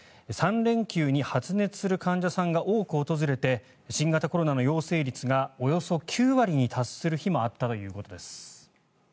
３連休に発熱する患者さんが多く訪れて新型コロナの陽性率がおよそ９割に達する日もあったということです。